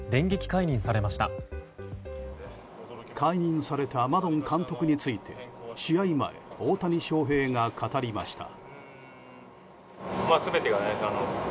解任されたマドン監督について試合前、大谷翔平が語りました。